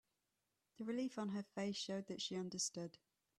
The relief on her face showed that she understood.